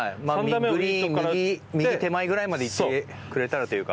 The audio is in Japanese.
グリーン右右手前ぐらいまでいってくれたらというか。